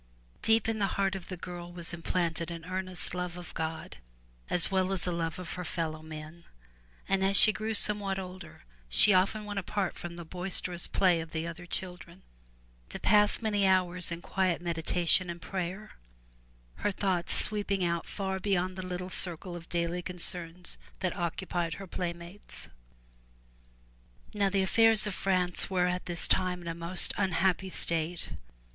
Deep in the heart of the girl was implanted an earnest love of God as well as a love of her fellow men, and as she grew somewhat older she often went apart from the boisterous play of the other children to pass many hours in quiet meditation and prayer, her thoughts sweeping out far beyond the little circle of daily concerns that occupied her playmates. Now the affairs of France were at this time in a most unhappy state.